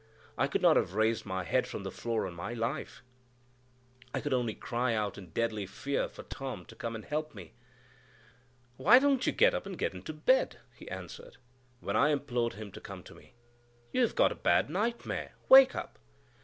I could not have raised my head from the floor on my life; I could only cry out in deadly fear for Tom to come and help me. "Why don't you get up and get into bed?" he answered, when I implored him to come to me. "You have got a bad nightmare; wake up!"